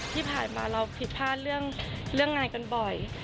ที่ผ่านมาเราผิดพลาดเรื่องงานกันบ่อย